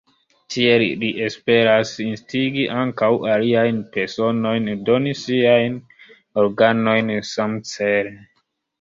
Tiel li esperas instigi ankaŭ aliajn personojn doni siajn organojn samcele.